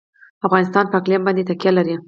افغانستان په اقلیم باندې تکیه لري.